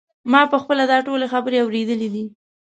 ما په خپله دا ټولې خبرې اورېدلې دي.